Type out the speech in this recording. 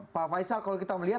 pak faisal kalau kita melihat